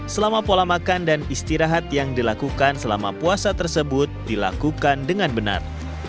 selama pola makan dan istirahat yang dilakukan selama puasa tersebut dilakukan dengan benar